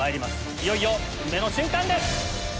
いよいよ運命の瞬間です！